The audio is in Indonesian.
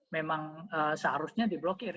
memang seharusnya diblokir